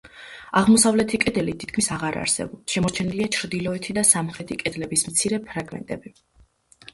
აღმოსავლეთი კედელი თითქმის აღარ არსებობს შემორჩენილია ჩრდილოეთი და სამხრეთი კედლების მცირე ფრაგმენტები.